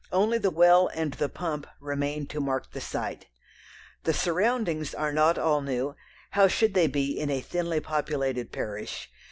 Only the well and the pump remain to mark the site. The surroundings are not all new how should they be in a thinly populated parish?